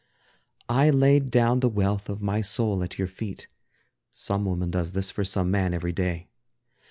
I laid down the wealth of my soul at your feet (Some woman does this for some man every day).